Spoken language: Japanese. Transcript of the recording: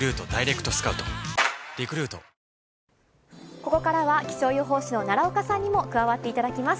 ここからは気象予報士の奈良岡さんにも加わっていただきます。